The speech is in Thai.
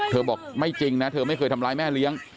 บอกไม่จริงนะเธอไม่เคยทำร้ายแม่เลี้ยง